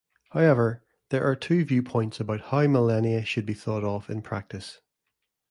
However, there are two viewpoints about how millennia should be thought of in practice.